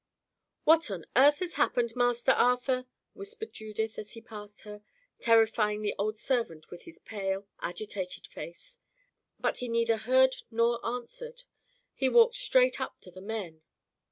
"What on earth has happened, Master Arthur?" whispered Judith, as he passed her, terrifying the old servant with his pale, agitated face. But he neither heard nor answered; he walked straight up to the men.